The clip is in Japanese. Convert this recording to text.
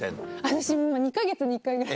私２か月に１回ぐらい。